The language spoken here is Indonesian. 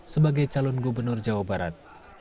sebagai calon gubernur jawa barat